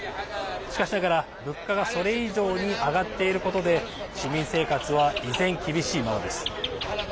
しかしながら、物価がそれ以上に上がっていることで市民生活は依然、厳しいままです。